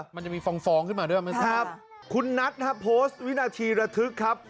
มันจะมีฟองฟองขึ้นมาด้วยไหมครับคุณนัทนะครับโพสต์วินาทีระทึกครับ